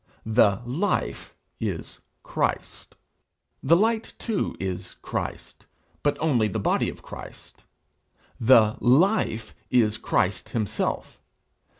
The life is Christ. The light too is Christ, but only the body of Christ. The life is Christ himself.